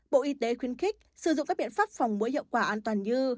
bộ y tế khuyến khích sử dụng các biện pháp phòng muối hiệu quả an toàn như